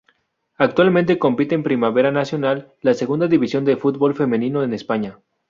Actualmente compite en Primera Nacional, la segunda división de fútbol femenino en España.